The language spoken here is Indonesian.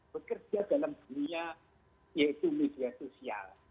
bekerja dalam dunia yaitu media sosial